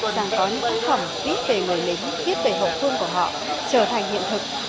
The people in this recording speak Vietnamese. rằng có những tác phẩm viết về người nếp viết về hậu phương của họ trở thành hiện thực